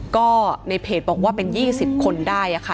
ก็ในเพจบอกว่าเป็นยี่สิบคนได้อ่ะค่ะ